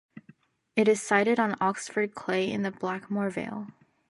It is sited on Oxford clay in the Blackmore Vale.